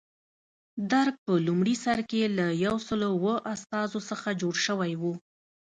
درګ په لومړي سر کې له یو سل اوه استازو څخه جوړ شوی و.